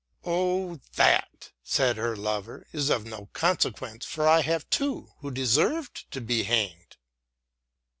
" Oh, that," said her lover, " is of no consequence, for I have two who deserve to be hanged."